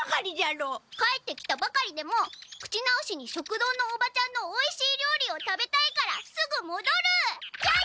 帰ってきたばかりでも口直しに食堂のおばちゃんのおいしいりょうりを食べたいからすぐもどる！じゃあね！